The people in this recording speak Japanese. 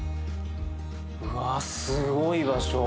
うわすごい場所。